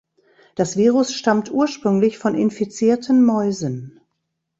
Das Virus stammt ursprünglich von infizierten Mäusen.